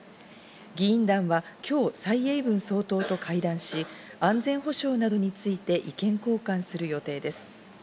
議員団は今日、サイ・エイブン総統と会談し、安全保障などについて意見交換する予定です。